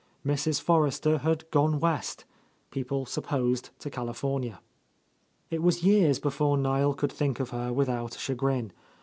Mrs. Forrester had gone West, — ^people sup posed to California. It was years before Niel could think of her without chagrin.